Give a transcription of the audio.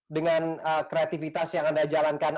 dengan kreativitas yang anda jalankan